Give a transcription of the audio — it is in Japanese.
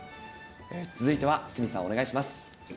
続いては鷲見さんお願いします。